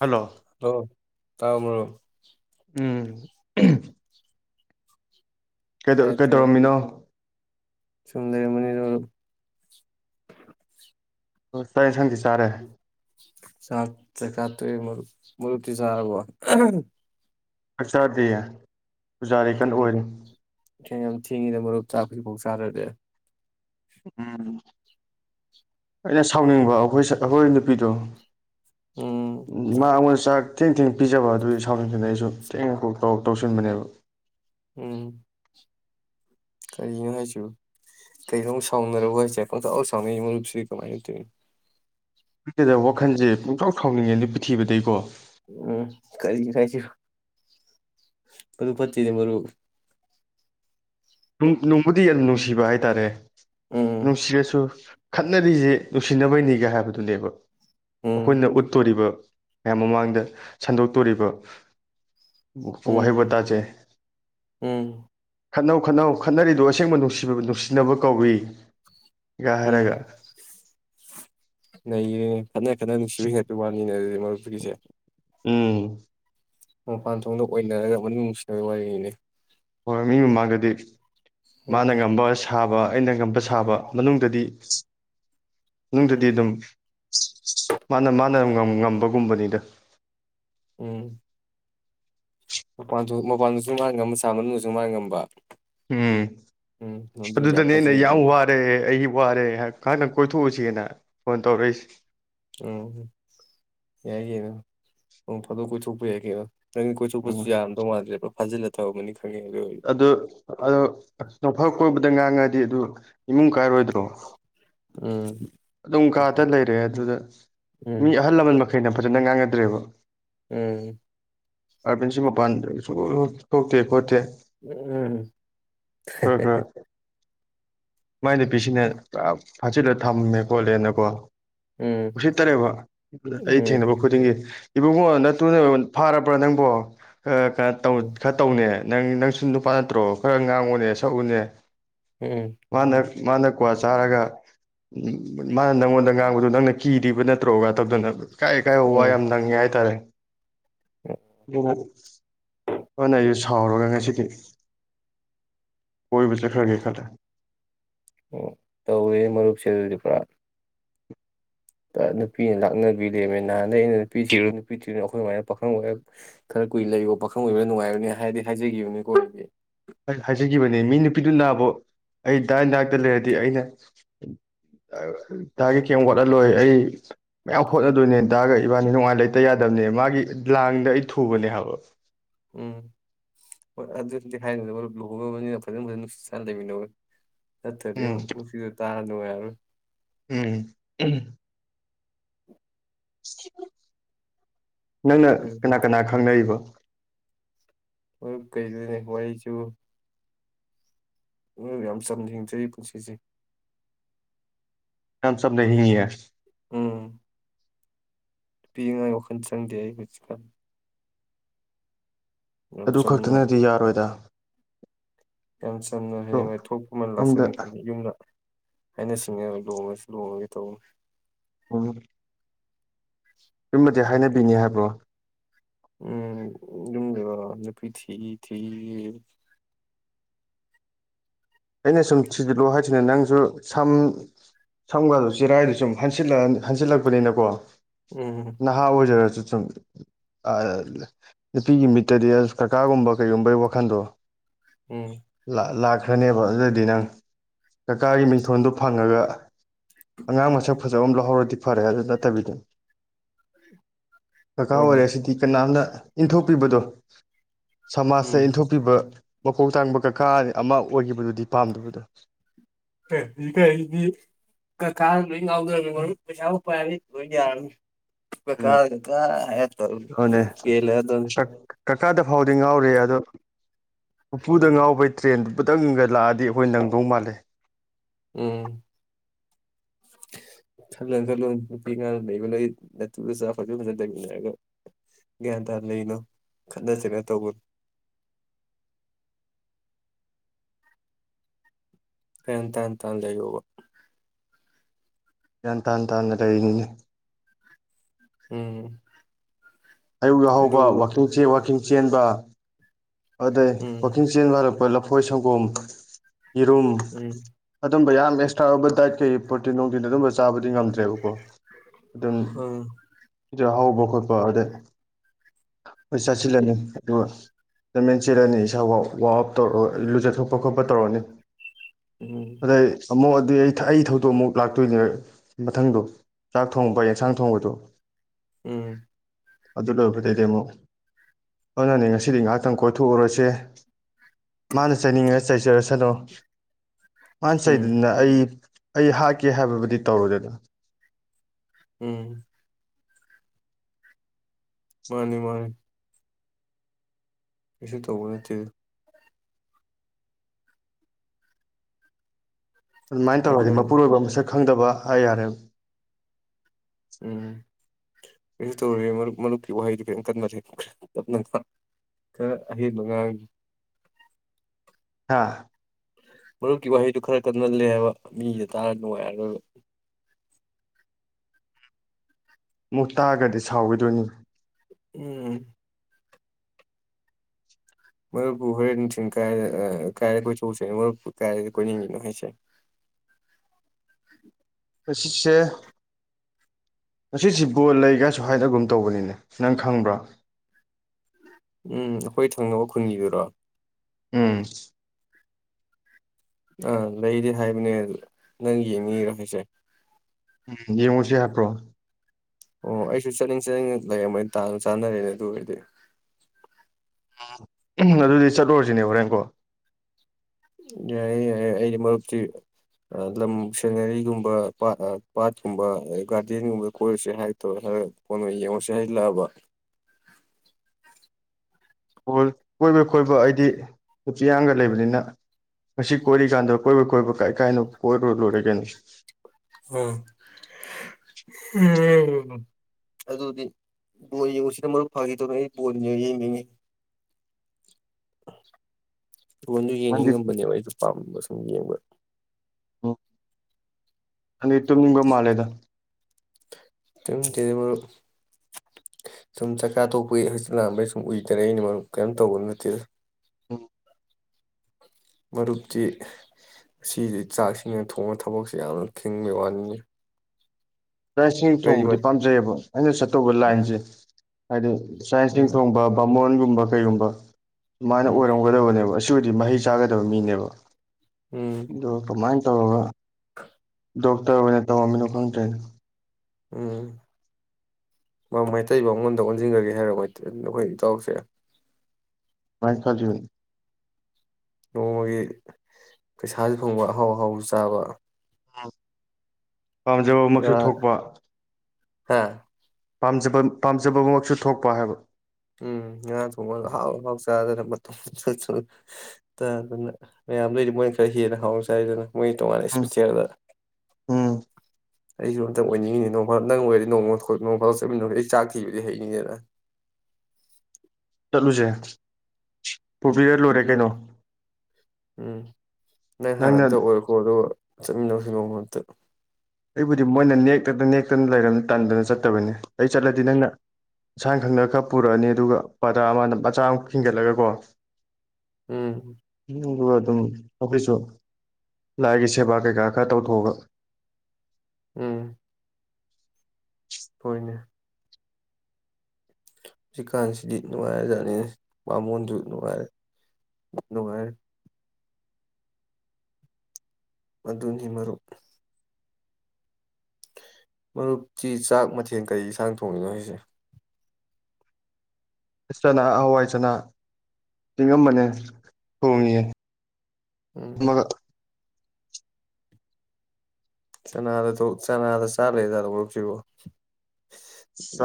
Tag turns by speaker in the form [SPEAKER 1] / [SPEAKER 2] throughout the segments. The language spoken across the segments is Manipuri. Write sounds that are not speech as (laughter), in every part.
[SPEAKER 1] ꯍꯜꯂꯣ
[SPEAKER 2] ꯇꯥꯕꯔꯣ ꯃꯔꯨꯞ
[SPEAKER 1] ꯎꯝ ꯀꯩꯗꯧ
[SPEAKER 2] ꯇꯥꯏꯌꯦ ꯇꯥꯏꯌꯦ
[SPEAKER 1] ꯀꯩꯗꯧꯔꯝꯃꯤꯅꯣ
[SPEAKER 2] ꯁꯨꯝ ꯂꯩ ꯔ꯭ꯃꯤꯅꯦ ꯃꯔꯨꯞ
[SPEAKER 1] ꯑ ꯁꯥꯏꯦ ꯁꯥꯟꯇꯤ ꯆꯔꯦ
[SPEAKER 2] ꯆꯠ ꯆ ꯀꯋꯦ ꯃ ꯃꯨꯔꯇ ꯁꯥꯔꯔꯕꯣ
[SPEAKER 1] ꯑꯁꯥꯗꯤꯌꯥ ꯄꯨꯖꯥꯔꯤꯀꯟ ꯑꯣꯏꯔꯤ
[SPEAKER 2] ꯍꯦꯡ ꯌꯥꯝ ꯊꯦꯡꯉꯤꯗ ꯃꯔꯨꯞ ꯆꯥꯛꯖꯤꯐꯥꯎ ꯆꯥꯔꯔꯦ
[SPEAKER 1] ꯎꯝ ꯑꯩꯅ ꯁꯥꯎꯅꯤꯡꯕ ꯑꯩꯈꯣꯏ ꯑꯩꯈꯣꯏ ꯅꯨꯄꯤꯗꯣ
[SPEAKER 2] ꯎꯝ
[SPEAKER 1] ꯃꯥꯃ ꯁꯥꯛ ꯊꯦꯡ ꯊꯦꯡꯅ ꯄꯤꯖꯕ ꯑꯗꯨꯒꯤ ꯁꯥꯎꯦꯟꯁꯤꯗ ꯑꯩꯁꯨ ꯊꯦꯡꯅ ꯀꯧ ꯇꯧꯁꯤꯟꯕꯅꯦꯕ
[SPEAKER 2] ꯎꯝ ꯀꯔꯤꯅꯣ ꯍꯥꯏꯁꯤ ꯀꯩꯅꯣ ꯑꯃꯨꯛ ꯁꯥꯎꯅꯔꯔꯕ ꯍꯥꯏꯁꯦ ꯄꯪꯀꯥꯎꯐꯥꯎ ꯁꯥꯎꯅꯩ ꯃꯔꯨꯞꯁꯤ ꯀꯃꯥꯏꯅ ꯇꯧꯣꯏꯅ
[SPEAKER 1] ꯗ ꯋꯥꯈꯟꯁꯦ ꯄꯨꯡꯆꯥꯎ ꯁꯥꯎꯅꯤꯡꯉꯦ ꯑꯗꯨ ꯄꯤꯊꯤꯕꯗꯩꯀꯣ
[SPEAKER 2] ꯎꯝ ꯈꯥꯏꯁꯤ ꯈꯥꯏꯁꯤ ꯑꯗꯨ ꯐꯤꯗꯤ ꯃꯔꯔ
[SPEAKER 1] ꯅꯣꯡꯕꯨꯗꯤ ꯌꯥꯝ ꯅꯨꯡꯁꯤꯕ ꯍꯥꯏꯇꯥꯔꯦ
[SPEAKER 2] ꯎꯝ
[SPEAKER 1] ꯅꯨꯡꯁꯤꯔꯦꯁꯨ ꯈꯠꯅꯔꯤꯁꯦ ꯅꯨꯡꯁꯤꯅꯕꯩꯅꯤꯒ ꯍꯥꯏꯕꯗꯨꯅꯦꯕ
[SPEAKER 2] ꯎꯝ
[SPEAKER 1] ꯑꯩꯈꯣꯏꯅ ꯎꯠꯇꯣꯔꯤꯕ ꯃꯌꯥꯝ ꯃꯃꯥꯡꯗ ꯁꯟꯗꯣꯛꯇꯣꯔꯤꯕ
[SPEAKER 2] ꯎꯝ
[SPEAKER 1] ꯋꯥꯍꯤꯕꯇꯥꯆꯦ
[SPEAKER 2] ꯎꯝ
[SPEAKER 1] ꯈꯟꯅꯧ ꯈꯠꯅꯔꯤꯗꯣ ꯑꯁꯦꯡꯕ ꯅꯨꯡꯁꯤꯕ ꯅꯨꯡꯁꯤꯅꯕ ꯀꯧꯏ
[SPEAKER 2] ꯎꯝ ꯌꯦꯏꯌꯦ ꯈꯠꯅ ꯈꯠꯅ ꯅꯨꯡꯁꯤꯕ ꯍꯦꯟꯕ ꯋꯥꯅꯦ ꯑꯗꯨꯗꯤ ꯃꯔꯨꯞꯀꯤꯁꯦ
[SPEAKER 1] ꯎꯝ
[SPEAKER 2] ꯃꯄꯥꯟ ꯊꯣꯡꯗ ꯑꯣꯏꯅꯔꯒ ꯃꯅꯨꯡ ꯅꯨꯡꯁꯤꯕꯒꯤ ꯋꯥꯔꯤꯅꯤꯅꯦ
[SPEAKER 1] ꯍꯣꯏ ꯃꯤ ꯃꯃꯥꯡꯗꯗꯤ
[SPEAKER 2] ꯎꯝ
[SPEAKER 1] ꯃꯥꯅ ꯉꯝꯕ ꯁꯥꯕ ꯑꯩꯅ ꯉꯝꯕ ꯁꯥꯕ ꯃꯅꯨꯡꯗꯗꯤ
[SPEAKER 2] ꯎꯝ
[SPEAKER 1] ꯅꯨꯡꯗꯨꯗꯤ ꯑꯗꯨꯝ ꯃꯥꯅ ꯃꯥꯅ ꯉꯝꯕꯒꯨꯝꯕꯅꯤꯗ
[SPEAKER 2] ꯎꯝ ꯃꯄꯥꯟꯁꯨ ꯃꯄꯥꯟꯗꯁꯨ ꯃꯥꯉꯝꯕ ꯁꯕ ꯃꯅꯨꯡꯗꯁꯨ ꯃꯥꯅ ꯉꯝꯕ
[SPEAKER 1] ꯎꯝ
[SPEAKER 2] ꯎꯝ ꯑꯗꯨꯗꯤ ꯌꯥꯝ
[SPEAKER 1] ꯑꯗꯨꯗꯅꯦ
[SPEAKER 2] ꯐꯖꯩ
[SPEAKER 1] ꯌꯥꯝ ꯋꯥꯔꯦ ꯑꯩ ꯋꯥꯔꯦ ꯉꯥꯏꯍꯛꯇꯪ ꯀꯣꯏ ꯁꯨ ꯁꯤꯅ ꯐꯣꯟ ꯇꯧꯔꯔꯤꯁ
[SPEAKER 2] ꯎꯝ ꯌꯥꯒꯅ ꯐꯗꯣ ꯀ ꯊꯨꯞꯄ ꯌꯥꯒ ꯅꯪ ꯀꯣꯏꯁꯨ ꯀꯠꯁꯨ
[SPEAKER 1] ꯎꯝ
[SPEAKER 2] ꯌꯥꯝꯗꯧ ꯃꯥꯜꯂꯦꯕꯣ ꯍꯟꯖꯤꯂ ꯇꯧꯧꯕꯅꯤ ꯈꯪꯉ
[SPEAKER 1] ꯑꯗꯨ ꯑ ꯅꯣꯡꯐꯔꯛ ꯀꯣꯏꯕꯗ ꯉꯥꯡꯉꯗꯤ ꯑꯗꯨ ꯏꯃꯨꯡ ꯀꯥꯏꯔꯣꯏꯗ꯭ꯔꯣ ꯑꯗꯨꯝ ꯀꯥꯗ ꯂꯩꯔꯦ ꯑꯗꯨꯗ ꯃꯤ ꯑꯍꯜ ꯂꯃꯟ ꯃꯈꯩ ꯐꯩꯅ ꯐꯖꯅ ꯉꯥꯡꯅꯗ꯭ꯔꯦꯕ
[SPEAKER 2] ꯎꯝ
[SPEAKER 1] ꯑꯥꯔꯕꯤꯟꯁꯤ ꯃꯄꯥꯟꯗ ꯊꯣꯛꯇꯦ ꯈꯣꯠꯇꯦ
[SPEAKER 2] ꯎꯝ ꯎꯝ
[SPEAKER 1] ꯃꯥꯏꯅ ꯄꯁꯤꯅꯦ ꯐꯖꯤꯂ ꯊꯝꯃꯦ ꯈꯣꯠꯂꯦꯅꯀꯣ
[SPEAKER 2] ꯎꯝ
[SPEAKER 1] ꯎꯁꯤꯠꯇꯅꯦꯦꯕ
[SPEAKER 2] ꯎꯝ
[SPEAKER 1] ꯑꯩ ꯊꯦꯡꯅꯕ ꯈꯨꯗꯤꯡꯒꯤ ꯏꯕꯨꯡꯉꯣ ꯅꯠꯇꯨꯅꯦ ꯐꯥꯔꯕ꯭ꯔꯥ ꯅꯪꯕꯣ ꯈꯥ ꯈꯥ ꯈꯔ ꯇꯧꯅꯦ ꯅꯪ ꯅꯪ ꯅꯨꯄꯥ ꯅꯠꯇ꯭ꯔꯣ ꯈꯔ ꯉꯥꯡꯉꯨꯅꯦ ꯁꯛꯎꯅꯦ
[SPEAKER 2] ꯎꯝ
[SPEAKER 1] ꯃꯥꯅ ꯃꯥꯅ ꯀ꯭ꯋꯥ ꯆꯥꯔꯒ ꯃꯥꯅ ꯅꯪꯉꯣꯟꯗ ꯉꯥꯡꯕꯗꯨ ꯅꯪꯅ ꯀꯤꯔꯤꯕ ꯅꯠꯇ꯭ꯔꯣꯒ ꯇꯧꯗꯅꯕ ꯀꯥꯏ ꯀꯥꯏꯕ
[SPEAKER 2] ꯎꯝ
[SPEAKER 1] ꯋꯥ
[SPEAKER 2] ꯎꯝ
[SPEAKER 1] ꯌꯥꯝ ꯅꯪꯉꯦ ꯍꯥꯏꯇꯥꯔꯦ ꯎ ꯍꯅ ꯑꯩ ꯁꯥꯎꯔꯒ ꯉꯁꯤꯗꯤ ꯀꯣꯏꯕ ꯆꯠꯈ꯭ꯔꯒꯦ ꯈꯜꯂꯦ
[SPEAKER 2] ꯎ ꯇ ꯃꯔꯔꯁꯦ ꯑꯗꯨꯗꯤ ꯄꯨꯔꯥ ꯅꯨꯄꯤꯅ ꯂꯥꯛꯅꯕꯤ ꯂꯩꯔꯃꯦ ꯅꯍꯥꯟꯩ ꯑꯩꯅ ꯅꯨꯄꯤ ꯊꯤꯔꯨ ꯅꯨꯄꯤ ꯊꯤꯔꯨꯅꯨ ꯑꯩꯈꯣꯏ ꯁꯃꯥꯏꯅ ꯄꯥꯈꯪ ꯑꯣꯏꯔ ꯈꯔ ꯀꯨꯏ ꯂꯩꯀꯣ ꯄꯥꯈꯪ ꯑꯣꯏꯕꯥ ꯅꯨꯡꯉꯥꯏꯔꯕꯅꯤ ꯍꯥꯏꯔꯗꯤ ꯍꯥꯏꯖꯒꯤꯈꯤꯕꯅꯤꯀꯣ
[SPEAKER 1] ꯑꯩ ꯍꯥꯏꯖꯈꯤꯕꯅꯦ ꯃꯤ ꯅꯨꯄꯤꯗꯨ ꯅꯥꯕꯨ ꯑꯩ ꯗꯥꯒꯤ ꯅꯥꯛꯇ ꯂꯩꯔꯗꯤ ꯑꯩꯅ ꯗꯥꯒꯤ ꯀꯩ ꯋꯥꯠꯍꯜꯂꯣꯏ ꯑꯩ ꯃꯌꯥꯝ ꯍꯣꯠꯅꯗꯣꯏꯅꯦ ꯗꯥꯒ ꯏꯕꯥꯅꯤ ꯅꯨꯡꯉꯥꯏꯅ ꯂꯩꯇ ꯌꯥꯗꯕꯅꯦ ꯃꯥꯒꯤ ꯂꯥꯡꯗ ꯑꯩ ꯊꯨꯕꯅꯦ ꯍꯥꯏꯕ
[SPEAKER 2] ꯎꯝ ꯍꯣꯏ ꯑꯗꯨꯗꯤ ꯂꯨꯍꯣꯡꯕꯅꯤꯅ ꯐꯖꯅ ꯐꯖꯅ ꯅꯨꯡꯁꯤ ꯆꯥꯅ ꯂꯩꯃꯤꯟꯅꯋ
[SPEAKER 1] ꯎꯝ
[SPEAKER 2] ꯆꯠꯇꯔꯤꯦꯁꯤꯗ ꯇꯥ ꯣꯋꯔ
[SPEAKER 1] ꯎꯝ (inaudible) ꯅꯪꯅ ꯀꯅꯥ ꯀꯅꯥ ꯈꯪꯅꯔꯤꯕ
[SPEAKER 2] ꯃꯔ ꯀꯩꯗꯅꯦ ꯋꯥꯔꯤꯁꯨ ꯎ ꯌꯥꯝ ꯆꯝꯅ ꯍꯤꯡꯖꯩ ꯄꯨꯟꯁꯤꯁꯦ
[SPEAKER 1] ꯆ ꯂꯩ ꯍꯤꯡꯦ
[SPEAKER 2] ꯎꯝ ꯅꯨꯄꯤꯤꯉꯥꯏ ꯋꯥꯈꯜ ꯆꯪꯗꯦ ꯑꯩ ꯍꯧꯖꯤꯛꯀꯥꯟ ꯌꯥꯝ
[SPEAKER 1] ꯑꯗꯨ
[SPEAKER 2] ꯆꯝꯅ
[SPEAKER 1] ꯈꯛꯇꯅꯗꯤ ꯌꯥꯔꯣꯏꯗ
[SPEAKER 2] ꯌꯥꯝ ꯁꯝꯅ ꯍꯌꯦꯡꯥꯏ ꯊꯣꯛꯄꯃ
[SPEAKER 1] ꯁꯣꯝꯗ
[SPEAKER 2] ꯂꯥꯛꯆꯅꯤ ꯈꯜꯂꯤ ꯌꯨꯝꯗ ꯍꯥꯏꯩꯅ ꯁꯤꯡꯉꯒ ꯂꯨꯉꯁꯨ ꯂꯨꯃꯒ ꯇꯧꯅꯤ
[SPEAKER 1] ꯍ ꯑꯗꯨꯃꯤ ꯍꯥꯏꯅꯕꯤꯅꯤ ꯍꯥꯏꯕ꯭ꯔꯣ
[SPEAKER 2] ꯎꯝ ꯌꯨꯝꯗꯕ ꯅꯨꯄꯤ ꯊꯤ ꯊꯤ
[SPEAKER 1] ꯑꯩꯅ ꯁꯨꯝ ꯊꯤꯖꯤꯜꯂꯣ ꯍꯥꯏꯁꯤꯅ ꯅꯪꯁꯨꯝ ꯁꯝꯒꯗ ꯆꯔꯥꯏꯗꯨ ꯁꯨꯝ ꯍꯟꯖꯤꯜꯂꯛꯄꯅꯤꯅꯀꯣ
[SPEAKER 2] ꯎꯝ
[SPEAKER 1] ꯅ ꯍ ꯑꯣ ꯖꯔꯁꯨ ꯁꯨꯝ ꯅꯨꯄꯤꯒꯤ ꯃꯤꯠꯇꯗꯤ ꯀꯔꯀꯥꯔꯒꯨꯝꯕ ꯀꯩꯒꯨꯝꯕꯒꯤ ꯋꯥꯈꯜꯗꯣ
[SPEAKER 2] ꯎꯝ
[SPEAKER 1] ꯂ ꯂꯥꯛꯒ ꯈ ꯑꯣ ꯑꯗꯨꯗꯤ ꯅꯪ ꯀꯀꯥꯒꯤ ꯃꯤꯡꯊꯣꯟꯜꯗꯣ ꯐꯪꯉꯒ ꯑꯉꯥꯡꯝꯁ ꯐ ꯂ ꯍꯔꯗꯤ ꯐꯥꯔꯦ ꯑꯗꯨ ꯂ ꯇꯥꯕꯤꯗ ꯀꯀꯥ
[SPEAKER 2] ꯍꯣꯏꯅꯦ
[SPEAKER 1] ꯑꯣꯏꯔꯦꯁꯤꯗꯤ ꯀꯅꯥꯝꯅ ꯏꯟꯊꯣꯛꯄꯤꯕꯗꯣ ꯁꯃꯥꯖꯇ
[SPEAKER 2] ꯎꯝ
[SPEAKER 1] ꯏꯟꯊꯣꯛꯄꯤꯕ ꯃꯈꯣꯛ ꯊꯥꯡꯕ ꯀꯀꯥ ꯑꯃ ꯑꯣꯏ ꯗꯨꯗꯤ ꯄꯥꯝꯗꯕꯗ
[SPEAKER 2] ꯗꯤ ꯀꯀꯥ ꯂꯣꯏ ꯉꯥꯎꯗ꯭ꯔꯅꯤ ꯃꯔ ꯄꯩꯁꯥꯕꯨ ꯄꯥꯏꯔꯗꯤ ꯂꯣꯏ ꯌꯥꯔꯅꯤ ꯀꯥ ꯍꯥꯏ
[SPEAKER 1] ꯑꯗꯨꯅꯦ
[SPEAKER 2] ꯇꯂ ꯑꯗꯨ
[SPEAKER 1] ꯀꯀꯥꯗ ꯐꯥꯎꯗꯤ ꯉꯥꯎꯔꯤ ꯑꯗꯣ ꯎꯄꯨꯗ
[SPEAKER 2] ꯎꯝ
[SPEAKER 1] ꯉꯥꯎꯕꯩ ꯇ꯭ꯔꯦꯟꯗꯨ ꯇꯪꯒ ꯂꯥꯛꯑꯗꯤ ꯑꯩꯈꯣꯏ ꯅꯪꯗꯧ ꯃꯥꯜꯂꯦ
[SPEAKER 2] ꯎꯝ ꯈꯠꯅꯅꯨ ꯈꯠꯅꯨ ꯅꯨꯄꯤ ꯑꯉꯥꯡ ꯂꯩꯕ ꯅꯣꯏ ꯅꯇꯨ ꯅꯆꯥ ꯐꯖ ꯐꯖꯅ ꯂꯩꯃꯤꯟꯅꯔꯒ ꯒ꯭ꯌꯥꯟ ꯇꯥꯅ ꯂꯩꯃꯤꯅꯧ ꯈꯠꯅ ꯆꯩꯅ ꯇꯧꯒꯅꯨ ꯒꯌ꯭ꯥꯟ ꯇꯥꯅ ꯇꯥꯅꯥ ꯂꯩꯌꯣꯕ
[SPEAKER 1] ꯒ꯭ꯌꯥꯟ ꯇꯥꯟ ꯇꯥꯅ ꯂꯩꯔꯤꯅꯤꯅꯦ
[SPEAKER 2] ꯎꯝ
[SPEAKER 1] ꯑꯌꯨꯛ ꯌꯥꯍꯧꯕ
[SPEAKER 2] ꯑꯗꯨꯒ
[SPEAKER 1] ꯋꯋꯥꯛꯀꯤꯡ ꯆꯦꯟ ꯋꯥꯛꯀꯤꯡ ꯆꯦꯟꯕ ꯑꯗꯩ
[SPEAKER 2] ꯎꯝ
[SPEAKER 1] ꯋꯥꯀꯤꯡ ꯆꯦꯟꯕ ꯍꯂꯛꯄꯗ ꯂꯕ ꯑꯩꯈꯣꯏ ꯁꯪꯒꯣꯝ ꯌꯦꯔꯨꯝ
[SPEAKER 2] ꯎꯝ
[SPEAKER 1] ꯑꯗꯨꯝꯕ ꯌꯥꯝ ꯑꯦꯛꯁ꯭ꯔꯥ ꯑꯣꯏꯕ ꯗꯥꯏꯠ ꯀꯩ ꯄ꯭ꯔꯣꯇꯤꯟ ꯅꯨꯡꯗꯤꯟ ꯑꯗꯨꯝꯕ ꯆꯥꯕꯗꯤ ꯉꯝꯗ꯭ꯔꯦꯕꯀꯣ ꯑꯗꯨꯝ
[SPEAKER 2] ꯎꯝ
[SPEAKER 1] ꯁꯤꯗ ꯍꯧꯕ ꯈꯣꯠꯄ ꯑꯗꯨꯗꯩꯩ ꯆꯥꯁꯤꯜꯂꯅꯤ ꯑꯗꯨꯒ ꯃꯦꯟ ꯆꯦꯜꯂꯅꯤ ꯏꯁꯥ ꯋꯥꯞ ꯋꯥꯝꯑꯞ ꯇꯧꯔ ꯂꯨꯖꯥ ꯊꯣꯛꯄ ꯈꯣꯠꯄ ꯇꯧꯔꯛꯅꯤ ꯑꯗꯩ ꯑꯃꯨꯛ ꯑꯗꯨꯏ ꯑꯩ ꯑꯩ ꯊꯧꯗꯣꯛ ꯑꯃꯨꯛ ꯂꯥꯛꯇꯣꯏꯅꯦ ꯃꯊꯪꯗꯣ ꯆꯥꯛ ꯊꯣꯡꯕ ꯑꯦꯟꯁꯥꯡ ꯊꯣꯡꯕꯗꯣ
[SPEAKER 2] ꯎꯝ
[SPEAKER 1] ꯑꯗꯨ ꯂꯑꯣꯏꯕꯗꯩꯩꯗꯤ ꯑꯃꯨꯛ ꯑꯗꯨꯅꯅꯦ ꯉꯁꯤꯗꯤ ꯉꯥꯏꯍꯥꯛ ꯇꯪ ꯀꯣꯏꯊꯣꯛꯎꯔꯁꯦ ꯃꯥꯅ ꯆꯩꯅꯤꯡꯉꯒ ꯆꯩꯖꯔꯁꯅꯨ ꯑ (inaudible) ꯃꯥꯅ
[SPEAKER 2] ꯎꯝ
[SPEAKER 1] ꯆꯩꯗꯅ ꯑꯩ ꯑꯩ ꯍꯥꯠꯀꯦ ꯍꯥꯏꯕꯕꯨꯗꯤ ꯇꯧꯔꯣꯏꯗꯅ
[SPEAKER 2] ꯎꯝ ꯃꯥꯅꯤ ꯃꯥꯅꯤ ꯀꯩꯁꯨ ꯇꯧꯕ ꯅꯠꯇꯦ
[SPEAKER 1] ꯑꯗꯨꯃꯥꯏꯅ
[SPEAKER 2] ꯈꯔ
[SPEAKER 1] ꯇꯧꯔꯗꯤ
[SPEAKER 2] ꯈꯔ
[SPEAKER 1] ꯃꯄꯨꯔꯣꯏꯕ ꯃꯁꯛ ꯈꯪꯗꯕ ꯑꯥꯏ ꯑꯥꯔ ꯑꯦꯝ
[SPEAKER 2] ꯎꯝ ꯀꯩꯁꯨ ꯇꯧꯔꯣꯏꯌꯦ ꯃꯔꯨꯞ ꯃꯔꯨꯞꯀꯤ ꯋꯥꯍꯩꯗꯨ ꯈꯤꯠꯇ꯭ꯪ ꯀꯟꯃꯜꯂꯦ ꯇꯞꯅ ꯉꯥꯡꯉꯣ ꯈꯔꯥ ꯑꯍꯦꯟꯕ ꯉꯥꯡ
[SPEAKER 1] ꯍꯥ
[SPEAKER 2] ꯃꯔꯨꯞꯀꯤ ꯋꯥꯍꯩꯗꯨ ꯈꯔ ꯀꯟꯃꯜꯂꯦ ꯍꯥꯏꯕ ꯃꯤꯗ ꯇꯥꯔ ꯅꯨꯡꯉꯥꯏꯔꯔꯣꯏꯕ
[SPEAKER 1] ꯃꯨꯛ ꯇꯥꯒꯗꯤ ꯁꯥꯎꯈꯤꯗꯣꯏꯅꯤ
[SPEAKER 2] ꯎꯝ ꯃꯔꯨꯞꯄꯨ ꯍꯣꯔꯦꯟ ꯅꯨꯡꯊꯤꯟ ꯀꯥꯏꯔ ꯀꯥꯏꯔꯒ ꯀꯣꯏꯊꯣꯛꯎꯁꯦ ꯍꯥꯏ ꯃꯔꯨꯞꯄꯨ ꯀꯥꯏꯗ ꯀꯣꯏꯅꯤꯡꯉꯤꯅꯣ ꯍꯥꯏꯁꯦ
[SPEAKER 1] ꯉꯁꯤꯁꯦ ꯉꯁꯤꯁꯦ ꯕꯣꯜ ꯂꯩꯒꯁꯨ ꯍꯥꯏꯅꯒꯨꯝ ꯇꯧꯕꯅꯤꯅꯦ ꯅꯪ ꯈꯪꯕ꯭ꯔꯥ
[SPEAKER 2] ꯎꯝ ꯑꯩꯈꯣꯏ ꯊꯪꯅꯕ ꯈꯨꯟꯒꯤꯗꯨꯔꯣ
[SPEAKER 1] ꯎꯝ
[SPEAKER 2] ꯑꯥ ꯂꯩꯗꯤ ꯍꯥꯏꯕꯅꯦ ꯅꯪ ꯌꯦꯡꯅꯤꯡꯉꯤꯔꯣ ꯍꯥꯏꯁꯦ
[SPEAKER 1] ꯎꯝ ꯌꯦꯡꯉꯨꯁꯤ ꯍꯥꯏꯄ꯭ꯔꯣ
[SPEAKER 2] ꯑꯣ ꯑꯩꯁꯨ ꯆꯠꯅꯤꯡ ꯆꯠꯅꯤꯡ ꯂꯩꯔꯝꯕꯅꯦ ꯇꯥꯟ ꯆꯥꯅꯔꯦꯗ ꯑꯗꯨ ꯑꯣꯏꯔꯗꯤ
[SPEAKER 1] ꯑꯗꯨꯗꯤ ꯆꯠꯂꯨꯔꯁꯤꯅꯦ ꯍꯣꯔꯦꯟꯀꯣ
[SPEAKER 2] ꯌꯥꯌꯦ ꯌꯥꯌꯦ ꯑꯩꯒꯤ ꯃꯔꯨꯞꯇꯤ ꯂꯝ ꯁꯦꯅꯔꯤꯒꯨꯝꯕ ꯄꯥꯠ ꯑ ꯄꯥꯠꯀꯨꯝꯕ ꯒꯥꯔꯗꯦꯟꯒꯨꯝꯕ ꯀꯣꯏꯔꯨꯁꯦ ꯍꯥꯔꯛꯇꯣꯏꯔ ꯍꯥꯏꯔꯛꯄꯅꯣ ꯌꯦꯡꯉꯨꯁꯦ ꯍꯥꯏꯁꯤꯜꯂꯕ
[SPEAKER 1] ꯒꯣꯜ ꯀꯣꯏꯕ ꯀꯣꯏꯕ ꯑꯩꯗꯤ ꯆꯤꯌꯥꯡꯒ ꯂꯩꯕꯅꯤꯅ ꯉꯁꯤ ꯀꯣꯏꯔꯤꯀꯥꯟꯗꯕ ꯀꯣꯏꯕ ꯀꯣꯏꯕ ꯀꯥꯏ ꯀꯥꯏꯅꯣ ꯀꯣꯏꯔ ꯂꯣꯏꯔꯦ ꯀꯩꯅꯣ
[SPEAKER 2] ꯎ (inaudible) ꯑꯗꯨꯗꯤ ꯕꯣꯜ ꯌꯦꯡꯕꯁꯤꯅ ꯃꯔꯨꯞ ꯐꯈꯤ ꯇꯧꯅꯤ ꯑꯩ ꯕꯣꯟ ꯌꯦ ꯌꯦꯡꯅꯤꯡꯉꯤ ꯂꯣꯟꯁꯨ
[SPEAKER 1] ꯅꯪꯗꯤ
[SPEAKER 2] ꯌꯦꯡꯅꯤꯡꯉꯝꯕꯅꯦꯕ ꯑꯩꯁꯨ ꯄꯥꯝꯕ ꯁꯨꯝ ꯌꯦꯡꯕ
[SPEAKER 1] ꯑꯣ (unintelligible) ꯇꯨꯝꯅꯤꯡꯕ ꯃꯥꯂꯦꯗ
[SPEAKER 2] ꯇꯨꯝꯇꯦ ꯃꯔꯨꯞ ꯁꯨꯝ ꯆꯥꯛꯆ ꯇꯣꯛꯄꯒꯤ ꯍꯆꯤ ꯂꯥꯡꯕꯩ ꯁꯨꯝ ꯎꯏꯗꯑꯩꯅꯦ ꯃꯔꯨꯞ ꯀꯔꯤꯝ ꯇꯧꯕ ꯅꯠꯇꯦꯗ
[SPEAKER 1] ꯎꯝ
[SPEAKER 2] ꯃꯔꯨꯞꯇꯤ ꯑꯁꯤꯗꯤ ꯆꯥꯛꯁꯤꯡꯅ ꯊꯣꯡꯕ ꯊꯕꯛꯁꯤ ꯌꯥꯝꯅ ꯊꯤꯡꯕꯒꯤ ꯋꯥꯅꯤꯅꯤ
[SPEAKER 1] ꯆꯥꯏꯁꯤꯡ ꯊꯣꯡꯕꯗꯤ ꯄꯥꯝꯖꯩꯕ ꯑꯩꯅ ꯆꯠꯇꯧꯕ
[SPEAKER 2] ꯎꯝ
[SPEAKER 1] ꯂꯥꯏꯟꯁꯦ ꯑꯗꯨ ꯆꯥꯏꯁꯤꯡ
[SPEAKER 2] ꯎꯝ
[SPEAKER 1] ꯊꯣꯡꯕ ꯕꯥꯃꯣꯟ ꯕ ꯀꯩꯒꯨꯝꯕ ꯃꯥꯅ
[SPEAKER 2] ꯎꯝ
[SPEAKER 1] ꯑꯣꯏꯔꯝꯒꯗꯕꯅꯦꯕ ꯁꯨꯒꯗꯤ ꯃꯍꯩ ꯆꯥꯒꯗꯕ ꯃꯤꯅꯦꯕ
[SPEAKER 2] ꯎꯝ
[SPEAKER 1] ꯑꯗꯣ ꯀꯃꯥꯏꯅ ꯇꯧꯔꯒ ꯇ ꯑꯣꯏꯅ ꯇꯧꯃꯤꯅꯣ ꯈꯪꯇ꯭ꯔꯦ
[SPEAKER 2] ꯎꯝ ꯃꯩꯇꯩꯕ ꯑꯩꯉꯣꯟꯗ ꯑꯣꯟꯁꯤꯟꯈ꯭ꯔꯒꯦ ꯍꯥꯏꯔꯣ ꯃꯩ ꯑꯩꯈꯣꯏ ꯏꯇꯥꯎꯁꯦ
[SPEAKER 1] ꯃꯥꯏ ꯀꯖ
[SPEAKER 2] ꯅꯣꯡꯃꯒꯤ ꯄꯩꯁꯥꯁꯨ ꯐꯪꯕ ꯑꯍꯥꯎ ꯑꯍꯥꯎꯁꯨ ꯆꯥꯕ
[SPEAKER 1] ꯑ ꯄꯥꯝꯖꯕꯃꯛꯁꯨ ꯊꯣꯛꯄ
[SPEAKER 2] ꯍꯥꯥ
[SPEAKER 1] ꯄꯥꯝꯖꯕ ꯄꯥꯝꯖꯕꯃꯛꯁꯨ ꯊꯣꯛꯄ ꯍꯥꯏꯕ
[SPEAKER 2] ꯎꯝ ꯌꯥ ꯊ ꯍꯥꯎ ꯍꯥꯎ ꯆꯥꯗꯅ ꯃꯇ ꯇꯥꯗꯅ ꯃꯌꯥꯝꯗꯗꯤ ꯃꯣꯏꯅ ꯈꯔ ꯍꯦꯟꯅ ꯍꯥꯎꯔ ꯆꯥꯏꯗꯅ ꯃꯣꯏ ꯇꯣꯉꯥꯟꯅ ꯏꯁ
[SPEAKER 1] ꯎꯝ
[SPEAKER 2] ꯄꯤꯛꯆꯦꯌꯔꯗ
[SPEAKER 1] ꯎꯝ
[SPEAKER 2] ꯑꯩꯁꯨ ꯑꯝꯇꯪ ꯑꯣꯏꯅꯤꯡꯉꯤꯅꯦ ꯅꯣꯡ ꯐꯥ ꯅꯪ ꯑꯣꯏꯔꯗꯤ ꯅꯣꯡꯃ ꯅꯣꯡ ꯐꯥ ꯆꯠꯃꯤꯟꯅꯗꯤ ꯑꯩ ꯆꯥꯛ ꯊꯤꯈꯤꯕꯗꯤ ꯍꯩꯅꯤꯅꯤꯅ
[SPEAKER 1] ꯁꯦ
[SPEAKER 2] ꯅꯪ ꯎꯝ ꯅꯪ
[SPEAKER 1] ꯅꯪꯅ
[SPEAKER 2] ꯍꯅꯟꯇ ꯑꯣꯏꯔꯈꯣꯗ ꯃꯣꯍꯃꯗ
[SPEAKER 1] ꯑꯩꯕꯨꯗꯤ ꯃꯣꯏꯅ ꯅꯦꯛꯇꯅ ꯅꯦꯛꯇꯅ ꯂꯩꯔꯝ ꯇꯟꯗꯅ ꯆꯠꯇꯕꯅꯤ ꯑꯩ ꯆꯠꯂꯗꯤ ꯅꯪꯅ ꯏꯟꯁꯥꯡ ꯈꯪꯗ ꯈꯔ ꯄꯨꯔꯛꯑꯅꯤ ꯑꯗꯨꯒ ꯄꯗꯥ ꯑꯃꯅ ꯃꯆꯥ ꯑꯃꯨꯛ ꯤꯡꯒꯠꯂꯒꯀꯣ
[SPEAKER 2] ꯎꯝ
[SPEAKER 1] ꯎꯝ ꯑꯗꯨꯝ ꯑꯩꯈꯣꯏꯁꯨ ꯂꯥꯏꯒꯤ ꯁꯦꯕꯥ ꯀꯩꯀꯥ ꯈꯔ ꯇꯧꯊꯣꯛꯑꯒ
[SPEAKER 2] ꯎꯝ ꯍꯣꯏꯅ ꯍꯧꯖꯤꯛꯀꯥꯟꯁꯤꯗꯤ ꯅꯨꯡꯉꯥꯏꯔꯖꯥꯠꯅꯤ ꯃꯃꯣꯟꯁꯨ ꯅꯨꯡꯉꯥꯏꯔ ꯅꯨꯡꯉꯥꯏꯔꯦ ꯃꯗꯨꯅꯤ ꯃꯔꯨꯞ ꯃꯔꯨꯞꯇꯤ ꯆꯥꯛ ꯃꯊꯦꯜ ꯀꯩ ꯌꯦꯟꯁꯥꯡ ꯊꯣꯡꯉꯤꯅꯣ ꯍꯥꯏꯁꯦ
[SPEAKER 1] ꯆꯅꯥ ꯍꯋꯥꯏ ꯆꯅꯥ ꯆꯤꯡꯉꯝꯕꯅꯦ ꯊꯣꯡꯉꯦ ꯃ
[SPEAKER 2] ꯎꯝ ꯆꯅꯥꯗꯦ ꯆꯅ ꯑꯗ ꯆꯂꯦꯖꯔꯦ ꯕ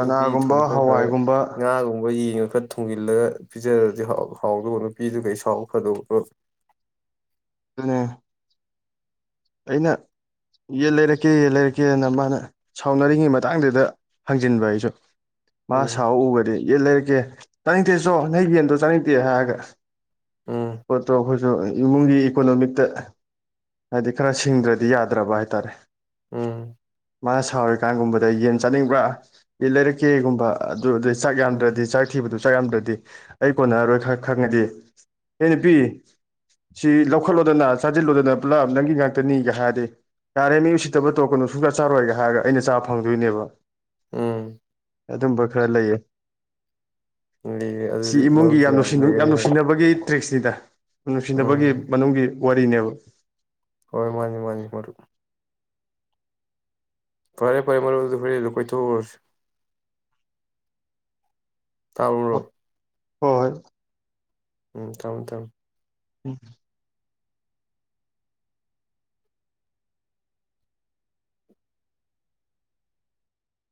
[SPEAKER 2] ꯅꯨꯄꯤ ꯊꯣꯡ ꯈꯔ ꯈꯔ
[SPEAKER 1] ꯍꯋꯥꯏꯒꯨꯝꯕ
[SPEAKER 2] ꯉꯥꯒꯨꯝꯕ ꯌꯦꯡꯉꯨ ꯏꯐꯠ ꯊꯨꯡꯖꯤꯜꯂꯒ ꯄꯤꯖꯔꯗꯤ ꯍꯥꯎꯗꯕ ꯅꯨꯄꯤꯗꯨꯒꯩ ꯁꯥꯎꯕ ꯐꯗꯣꯛ
[SPEAKER 1] ꯑ ꯑꯩꯅ ꯌꯦꯟ ꯂꯩꯔꯛꯀꯦ ꯌꯦꯟ ꯂꯩꯔꯛꯀꯦꯅ ꯃꯥꯅ ꯁꯥꯎꯅꯔꯤꯉꯩ ꯃꯇꯥꯡꯗꯨꯗ ꯍꯪꯖꯤꯟꯕ ꯑꯩꯁꯨ ꯃꯥ ꯁ
[SPEAKER 2] ꯎꯝ
[SPEAKER 1] ꯎꯕꯗꯤ ꯌꯦꯟ ꯂꯩꯔꯛꯀꯦ ꯆꯥꯅꯤꯡꯗꯦꯁꯨꯣ ꯅ ꯌꯦꯟꯗꯣ ꯆꯥꯅꯤꯡꯗꯦ ꯍꯥꯏꯔꯒ
[SPEAKER 2] ꯎꯝ
[SPEAKER 1] ꯄꯣꯠꯇꯣ ꯑꯩꯈꯣꯏꯁꯨ ꯏꯃꯨꯡꯒꯤ ꯏꯀꯣꯅꯣꯃꯤꯛꯇ ꯍꯥꯏꯗꯤ ꯈꯔ ꯁꯤꯡꯗ꯭ꯔꯗꯤ ꯌꯥꯗ꯭ꯔꯕ ꯍꯥꯏꯇꯥꯔꯦ
[SPEAKER 2] ꯎꯝ
[SPEAKER 1] ꯃꯥꯅ ꯁꯥꯎꯔꯤꯀꯥꯟꯒꯨꯝꯕꯗ ꯌꯦꯟ ꯆꯥꯅꯤꯡꯕ꯭ꯔꯥ ꯏ ꯂꯩꯔꯛꯀꯦꯒꯨꯝꯕ ꯑꯗꯨꯗꯩ ꯆꯥꯛ
[SPEAKER 2] ꯎꯝ
[SPEAKER 1] ꯌꯥꯝꯗ꯭ꯔꯗꯤ ꯆꯥꯛ ꯊꯤꯕꯗꯨ ꯆꯥꯛ ꯌꯥꯝꯗ꯭ꯔꯗꯤ ꯑꯩ ꯀꯣꯟꯅꯔꯔꯣꯏ ꯈꯔ ꯈꯪꯉꯗꯤ ꯑꯦ ꯅꯨꯄꯤ ꯁꯤ ꯂꯧꯈꯠꯂꯣꯗꯅ ꯆꯥꯁꯤꯜꯂꯣꯗꯅ ꯄꯨꯂꯞ ꯅꯪꯒꯤ ꯉ ꯈꯛꯇꯅꯤꯒ ꯍꯥꯏꯔꯗꯤ ꯌꯥꯔꯦ ꯃꯤ ꯎꯁꯤꯠꯇꯕ ꯇꯧꯔꯛꯀꯅꯨ ꯁꯨꯡꯆꯥ ꯆꯥꯔꯣꯏꯒ ꯍꯥꯏꯔꯒ ꯑꯩꯅ ꯆꯥꯕ ꯐꯪꯗꯣꯏꯅꯦꯕ
[SPEAKER 2] ꯎꯝ
[SPEAKER 1] ꯑꯗꯨꯝꯕ ꯈꯔ ꯂꯩꯌꯦ
[SPEAKER 2] ꯂꯩꯌꯦ ꯑꯗꯨꯗꯤ
[SPEAKER 1] ꯁꯤ ꯏꯃꯨꯡꯒꯤ
[SPEAKER 2] ꯃꯔꯨꯞꯁꯦ
[SPEAKER 1] ꯌꯥꯝ ꯅꯨꯡꯁꯤ ꯌꯥꯝ
[SPEAKER 2] ꯂꯩꯔꯝꯃꯤꯅ
[SPEAKER 1] ꯅꯨꯡꯁꯤꯅꯕꯒꯤ ꯇ꯭ꯔꯤꯛꯁꯅꯤꯗ ꯅꯨꯡꯁꯤꯅꯕꯒꯤ
[SPEAKER 2] ꯎꯝ
[SPEAKER 1] ꯃꯅꯨꯡꯒꯤ ꯋꯥꯔꯤꯅꯦꯕ
[SPEAKER 2] ꯍꯣꯏ ꯃꯥꯅꯤ ꯃꯥꯅꯤ ꯃꯔꯨꯞ ꯐꯔꯦ ꯐꯔꯦ ꯃꯔꯕꯨꯗ ꯐꯔ ꯂꯨ ꯀꯣꯏ ꯊꯁ ꯇꯥꯔꯔꯣ
[SPEAKER 1] ꯍꯣꯏ ꯍꯣꯏ
[SPEAKER 2] ꯎꯝ ꯊꯝ ꯊꯝ
[SPEAKER 1] ꯎꯝ